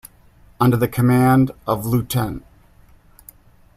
Under the command of Lieut.